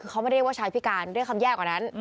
คือเขามาเรียกว่าชายพิการด้วยคำแย่กว่านั้น